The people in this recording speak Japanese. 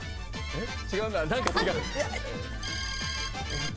えっ？